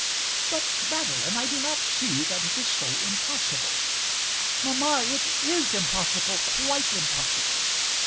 "But Madeline, I do not see that it is so impossible." "Mamma, it is impossible; quite impossible!"